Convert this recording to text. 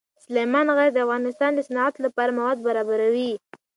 سلیمان غر د افغانستان د صنعت لپاره مواد برابروي.